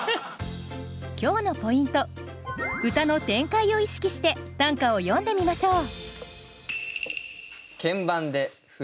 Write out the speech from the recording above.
今日のポイント歌の展開を意識して短歌を詠んでみましょう。